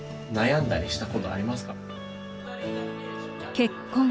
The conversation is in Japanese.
「結婚」